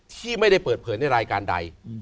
ที่ไม่ได้เปิดเผยในรายการใด